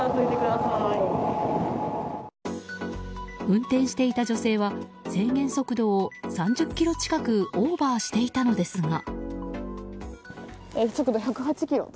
運転していた女性は制限速度を３０キロ近くオーバーしていたのですが。